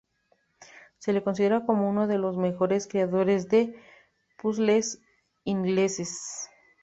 Se le considera como uno de los mejores creadores de puzles ingleses.